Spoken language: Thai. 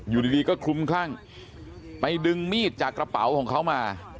อยู่ดีก็คลุมคลั่งไปดึงมีดจากกระเป๋าของเขามา